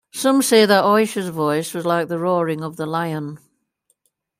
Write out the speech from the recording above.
Some say that Oysher's voice was like the roaring of the lion.